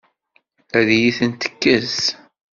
Ad iyi-ten-tekkes?